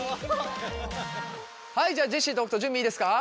はいじゃあジェシーと北斗準備いいですか？